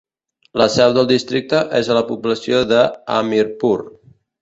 La seu del districte és a la població de Hamirpur.